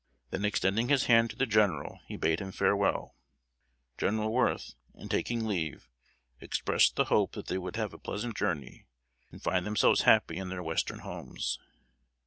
Then extending his hand to the General he bade him farewell. General Worth, in taking leave, expressed the hope that they would have a pleasant journey, and find themselves happy in their western homes.